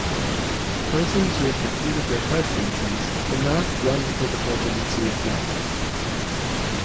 Persons who have completed their presidencies cannot run for the presidency again.